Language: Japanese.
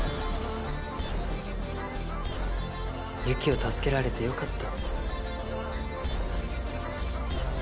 ユキを助けられてよかった。